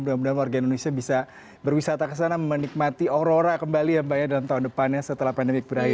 mudah mudahan warga indonesia bisa berwisata ke sana menikmati aurora kembali ya mbak ya dalam tahun depannya setelah pandemi berakhir